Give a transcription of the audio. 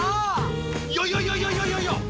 いやいやいやいやいやいやいや！